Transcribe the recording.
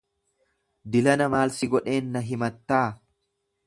Dilana maal si godheen na himattaa?